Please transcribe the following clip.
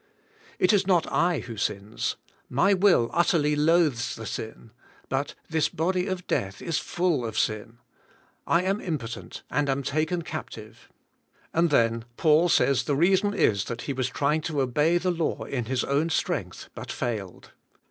It is not I who sins; my will utterly loathes the sin, but this body of death is full of sin. I am impotent and am taken captive. And then Paul says the reason is that he was trying" to obey the law in his own strength but failed.